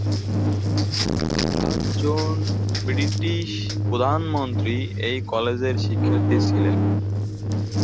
পাঁচজন ব্রিটিশ প্রধানমন্ত্রী এই কলেজের শিক্ষার্থী ছিলেন।